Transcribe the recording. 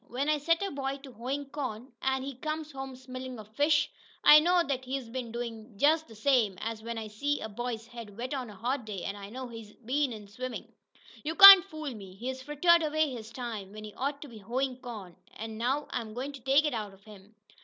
When I set a boy to hoein' corn, an' he comes home smellin' of fish, I know what he's been doin' jest th' same as when I see a boy's head wet on a hot day I know he's been in swimmin'! You can't fool me. He's frittered away his time, when he ought t' be hoein' corn, an' now I'm goin' to take it out of him!"